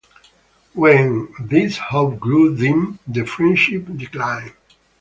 When this hope grew dim the friendship declined.